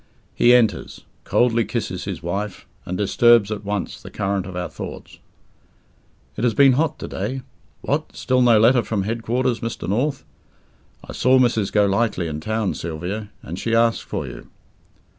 He enters, coldly kisses his wife, and disturbs at once the current of our thoughts. "It has been hot to day. What, still no letter from head quarters, Mr. North! I saw Mrs. Golightly in town, Sylvia, and she asked for you.